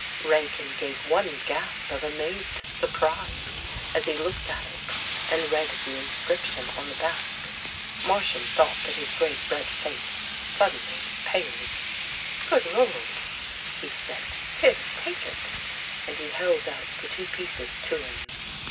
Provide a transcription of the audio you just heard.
Rankin gave one gasp of amazed surprise as he looked at it and read the inscription on the back. Marsham thought that his great red face suddenly paled. "Good Lord! " he said. "Here, take it! " And he held out the two pieces to him.